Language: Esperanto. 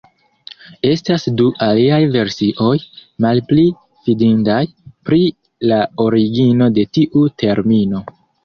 Estas du aliaj versioj, malpli fidindaj, pri la origino de tiu termino.